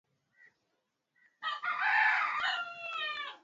Kukosa utulivu au kiwewe